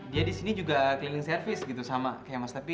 dia disini juga keliling servis gitu sama kayak mas tepi